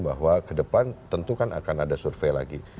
bahwa kedepan tentu akan ada survei lagi